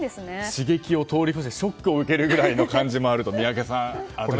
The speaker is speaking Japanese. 刺激を通り越してショックを受けるぐらいの感じもあると。